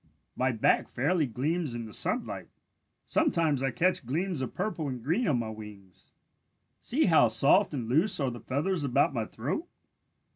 My back fairly gleams in the sunlight. Sometimes I catch gleams of purple and green on my wings. See how soft and loose are the feathers about my throat.